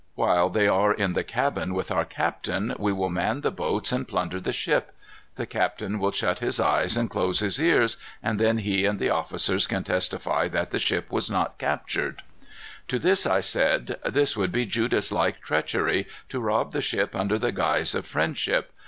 While they are in the cabin with our captain, we will man the boats and plunder the ship. The captain will shut his eyes and close his ears, and then he and the officers can testify that the ship was not captured.' "To this I said, 'This would be Judas like treachery, to rob the ship under the guise of friendship.